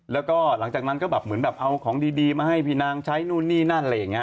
แล้วก็หลังจากนั้นก็แบบเหมือนแบบเอาของดีมาให้พี่นางใช้นู่นนี่นั่นอะไรอย่างนี้